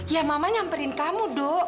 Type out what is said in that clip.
ya mama nyamperin kamu dok